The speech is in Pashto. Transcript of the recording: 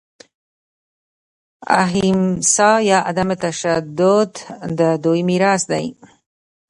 اهیمسا یا عدم تشدد د دوی میراث دی.